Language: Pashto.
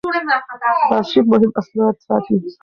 آرشیف مهم اسناد ساتي.